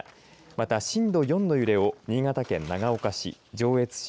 また震度４の揺れを新潟県長岡市上越市、